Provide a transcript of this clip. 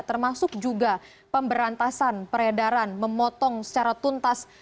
termasuk juga pemberantasan peredaran memotong secara tuntas